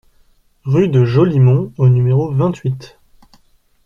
Rue de Jolimont au numéro vingt-huit